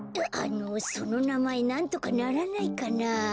あのそのなまえなんとかならないかな。